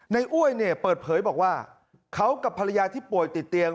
อ้วยเนี่ยเปิดเผยบอกว่าเขากับภรรยาที่ป่วยติดเตียง